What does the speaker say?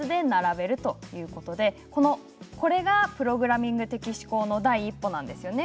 これがプログラミング的思考の第一歩なんですよね。